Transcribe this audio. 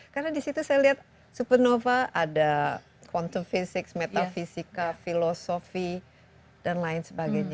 karena disitu saya lihat supernova ada quantum physics metaphysics filosofi dan lain sebagainya